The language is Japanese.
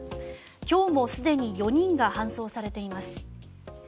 今日もすでに４人が搬送されています。